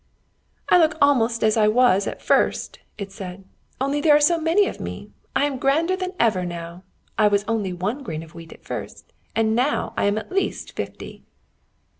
"I look almost as I was at first," it said; "only there are so many of me. I am grander than ever now. I was only one grain of wheat at first, and now I am at least fifty."